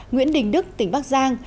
nguyễn đình đức tỉnh bắc giang